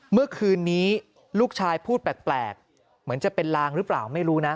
เมื่อคืนนี้ลูกชายพูดแปลกเหมือนจะเป็นลางหรือเปล่าไม่รู้นะ